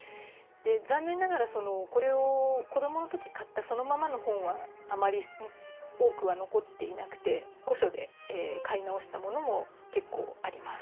残念ながらこれを子供の時買ったそのままの本はあまり多くは残っていなくて古書で買い直したものも結構あります。